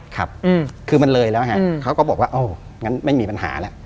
คือมันเลยแล้วเขาก็บอกว่าไม่มีปัญหาแล้ว